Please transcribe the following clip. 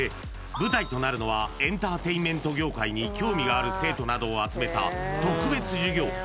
舞台となるのはエンターテインメント業界に興味がある生徒などを集めた特別授業。